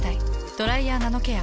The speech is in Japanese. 「ドライヤーナノケア」。